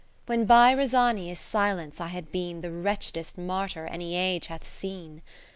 ( 54^ ) When by Rosania's silence I had been The wretched'st martyr any age hath seen.